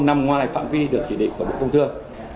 nằm ngoài phạm vi được chỉ định của bộ công thương